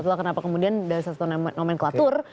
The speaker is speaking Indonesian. itulah kenapa kemudian dari satu nomenklatur